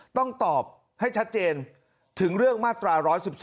ต้องตอบให้ชัดเจนถึงเรื่องมาตรา๑๑๒